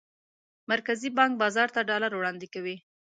مرکزي بانک بازار ته ډالر وړاندې کوي.